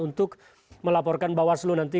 untuk melaporkan bawaslu nanti